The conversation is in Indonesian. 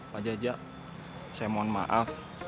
pak jaja saya mohon maaf